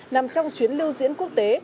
nằm trong chuyến lưu diễn quốc tế